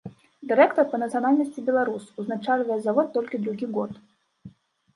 Дырэктар па нацыянальнасці беларус, узначальвае завод толькі другі год.